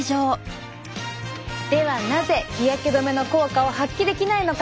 ではなぜ日焼け止めの効果を発揮できないのか。